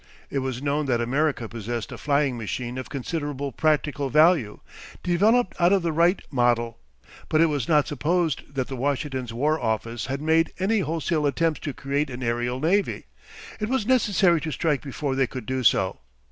It was known that America possessed a flying machine of considerable practical value, developed out of the Wright model; but it was not supposed that the Washington War Office had made any wholesale attempts to create an aerial navy. It was necessary to strike before they could do so.